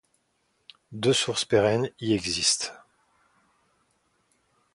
Deux sources pérennes y existent.